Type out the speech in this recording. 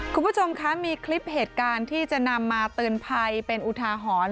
คุณผู้ชมคะมีคลิปเหตุการณ์ที่จะนำมาเตือนภัยเป็นอุทาหรณ์